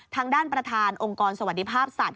ทางด้านประธานองค์กรสวัสดิภาพสัตว